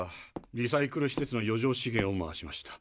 リサイクル施設の余剰資源を回しました。